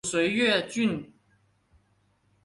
属绥越郡。